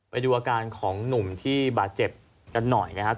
ไปดูอาการของหนุ่มที่บาดเจ็บกันหน่อยนะครับ